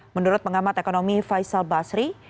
menurut pengamat ekonomi faisal basri